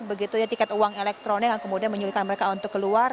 begitu ya tiket uang elektronik yang kemudian menyulitkan mereka untuk keluar